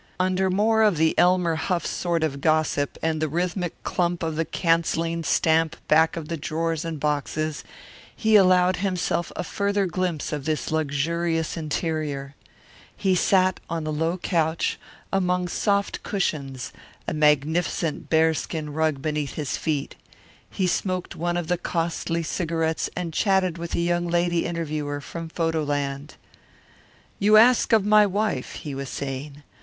Under more of the Elmer Huff sort of gossip, and the rhythmic clump of the cancelling stamp back of the drawers and boxes, he allowed himself a further glimpse of this luxurious interior. He sat on a low couch, among soft cushions, a magnificent bearskin rug beneath his feet. He smoked one of the costly cigarettes and chatted with a young lady interviewer from Photo Land. "You ask of my wife," he was saying.